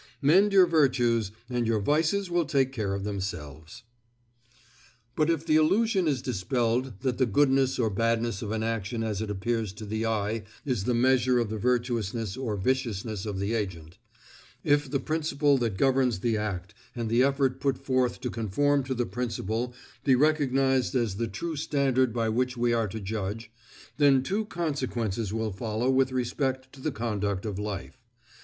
Mend your virtues, and your vices will take care of themselves. But if the illusion is dispelled that the goodness or badness of an action as it appears to the eye is the measure of the virtuousness or viciousness of the agent; if the principle that governs the act and the effort put forth to conform to the principle be recognized as the true standard by which we are to judge, then two consequences will follow with respect to the conduct of life.